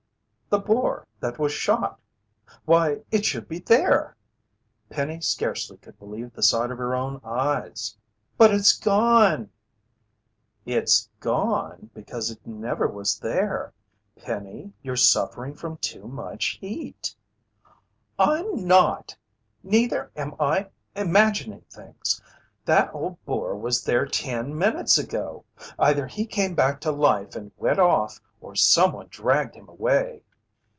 "The boar that was shot why, it should be there!" Penny scarcely could believe the sight of her own eyes. "But it's gone!" "It's gone because it never was there. Penny, you're suffering from too much heat." "I'm not! Neither am I imagining things! That old boar was there ten minutes ago. Either he came back to life and went off, or someone dragged him away."